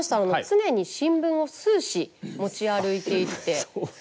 常に新聞を数紙持ち歩いていて。